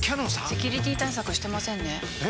セキュリティ対策してませんねえ！